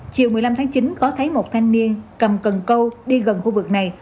chiều một mươi năm tháng chín có thấy một thanh niên cầm cần câu đi gần khu vực này